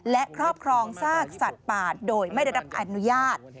และครอบครองซากสัตว์ป่าโดยไม่ได้รับอนุญาต